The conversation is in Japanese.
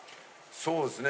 そうですね。